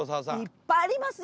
いっぱいありますよ。